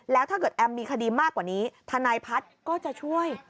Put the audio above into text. แล้วถ้าเกิดแอมมีคดีมากกว่านี้ทนายพัฒน์ก็จะช่วย